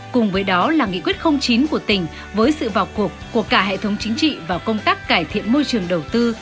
cùng với đó là nghị quyết chín của tỉnh với sự vào cuộc của cả hệ thống chính trị và công tác cải thiện môi trường đầu tư